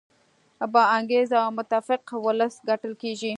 با انګیزه او متفق ولس ګټل کیږي.